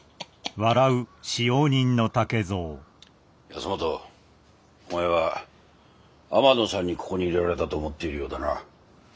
保本お前は天野さんにここに入れられたと思っているようだな。